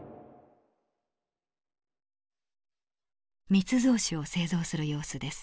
密造酒を製造する様子です。